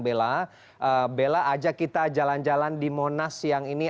bella bella ajak kita jalan jalan di monas siang ini